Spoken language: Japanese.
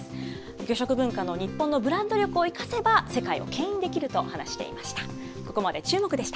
魚食文化の日本のブランド力を生かせば、世界をけん引できると話していました。